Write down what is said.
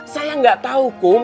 saya nggak tahu kum